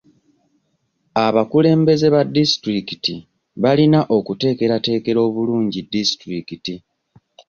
Abakulembeze ba disitulikiti balina okuteekerateekera bulungi disitulikiti.